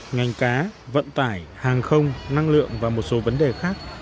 ngành cá vận tải hàng không năng lượng và một số vấn đề khác